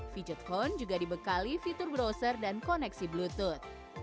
fidget phone juga dibekali fitur browser dan koneksi bluetooth